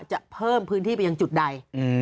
จะเพิ่มพื้นที่ไปยังจุดใด